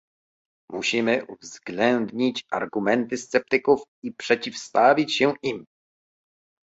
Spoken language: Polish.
Musimy uwzględnić argumenty sceptyków i przeciwstawić się im